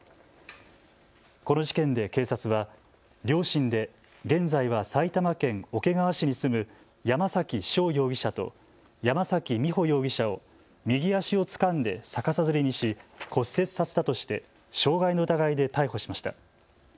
この事件で警察は両親で現在は埼玉県桶川市に住む山崎翔容疑者と山崎美穂容疑者を右足をつかんで逆さづりにし骨折させたとして傷害の疑いで逮捕しました。